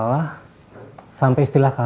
lalu apa bertemu pak om